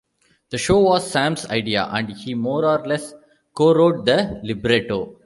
The show was Sam's idea, and he more or less cowrote the libretto.